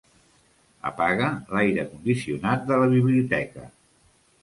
Apaga l'aire condicionat de la biblioteca.